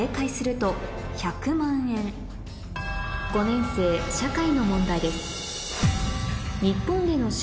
５年生社会の問題です